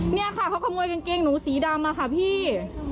เนี่ยค่ะเขาขโมยกางเกงหนูสีดำอะค่ะพี่